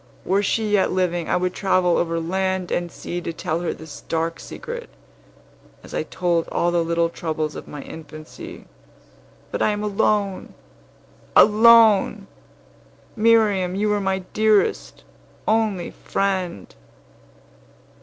Were she yet living, I would travel over land and sea to tell her this dark secret, as I told all the little troubles of my infancy. But I am alone alone! Miriam, you were my dearest, only friend.